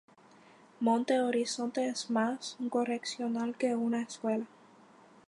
Monte Horizonte es más un correccional que una escuela.